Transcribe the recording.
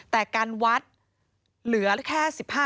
แต่การวัดเหลือแค่๑๕